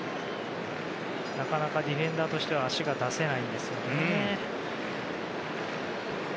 なかなかディフェンダーとしては足が出せないんですよね。